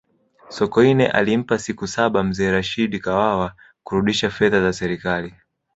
sokoine alimpa siku saba mzee rashidi kawawa kurudisha fedha za serikali